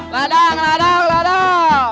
ladang ladang ladang